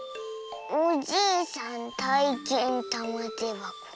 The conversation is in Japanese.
「おじいさんたいけんたまてばこ。